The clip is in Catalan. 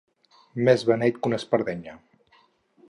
Més beneit que una espardenya.